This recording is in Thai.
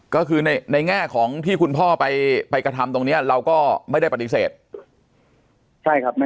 ก็คือในในแง่ของที่คุณพ่อไปไปกระทำตรงเนี้ยเราก็ไม่ได้ปฏิเสธใช่ครับ